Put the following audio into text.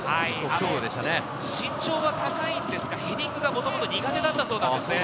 身長が高いんですが、ヘディングはもともと苦手だったそうなんです。